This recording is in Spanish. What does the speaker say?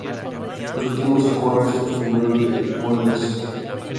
Los últimos acordes son los primeros de ""Murder City"".